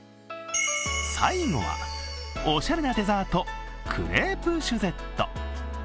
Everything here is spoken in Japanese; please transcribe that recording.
最後は、おしゃれなデザート、クレープシュゼット。